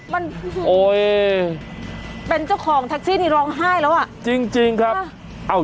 มันโอ้ยเป็นเจ้าของแท็กซี่นี่ร้องไห้แล้วอ่ะจริงจริงครับ